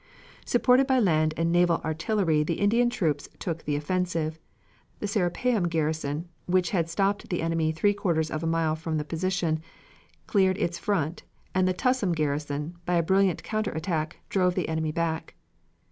Supported by land and naval artillery the Indian troops took the offensive, the Serapeum garrison, which had stopped the enemy three quarters of a mile from the position, cleared its front, and the Tussum garrison, by a brilliant counter attack, drove the enemy back.